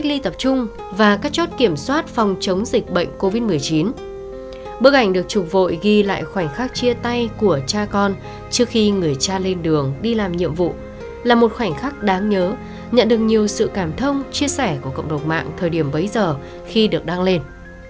là một khoảnh khắc đáng nhớ nhận được nhiều sự cảm thông chia sẻ của cộng đồng mạng thời điểm bấy giờ khi được đăng lên